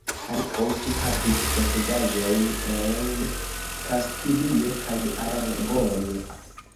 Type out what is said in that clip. Ankaŭ ĝi havis posedaĵojn en Kastilio kaj Aragono.